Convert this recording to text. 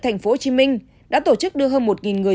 tp hcm đã tổ chức đưa hơn một người